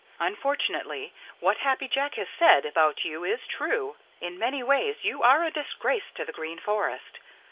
"Unfortunately, what Happy Jack has said about you is true. In many ways you are a disgrace to the Green Forest.